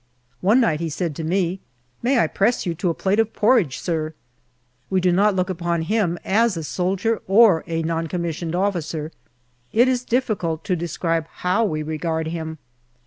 " One night he said to me, " May I press you to a plate of porridge, sir ?" We do not look upon him as a soldier or an N.C.O. It is difficult to describe how we regard him.